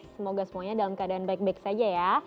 semoga semuanya dalam keadaan baik baik saja ya